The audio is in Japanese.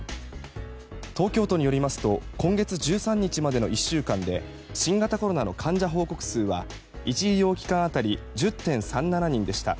東京都によりますと今月１３日までの１週間で新型コロナの患者報告数は１医療機関当たり１０．３７人でした。